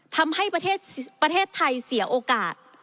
ทำให้ประเทศไทยเสียโอกาส